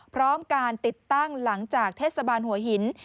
พร้อมการติดตั้งหลังจากเทศบาลหัวหิน